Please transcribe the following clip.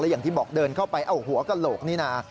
อย่างที่บอกเดินเข้าไปเอาหัวกระโหลกนี่นะ